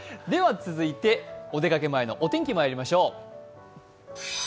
続いてお出かけ前のお天気まいりましょう。